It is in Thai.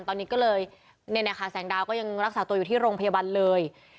ตอนนี้ก็เลยเนี่ยนะคะแสงดาวก็ยังรักษาตัวอยู่ที่โรงพยาบาลเลย